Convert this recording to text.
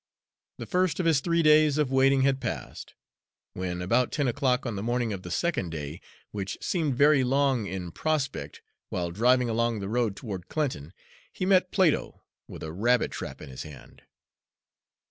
The first of his three days of waiting had passed, when, about ten o'clock on the morning of the second day, which seemed very long in prospect, while driving along the road toward Clinton, he met Plato, with a rabbit trap in his hand.